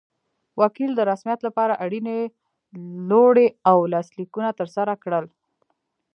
وکیل د رسمیت لپاره اړینې لوړې او لاسلیکونه ترسره کړل.